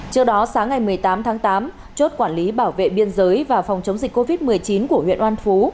trước đó sáng ngày một mươi tám tháng tám chốt quản lý bảo vệ biên giới và phòng chống dịch covid một mươi chín của huyện an phú